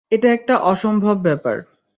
এটা একটা অসম্ভব ব্যাপার।